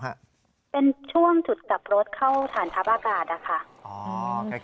เป็นช่วงจุดขับรถเข้าสารทัพอากาศค่ะ